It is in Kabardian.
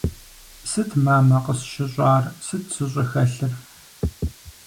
Сыт, мамэ, къысщыщӏар, сыт сыщӏыхэлъыр?